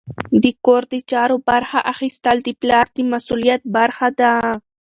د کور د چارو برخه اخیستل د پلار د مسؤلیت برخه ده.